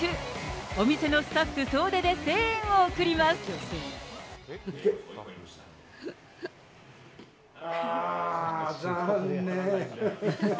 お店のスタッフ総出で声援を送りあー、残念。